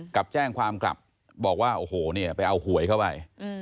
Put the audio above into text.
กลับแจ้งความกลับบอกว่าโอ้โหเนี่ยไปเอาหวยเข้าไป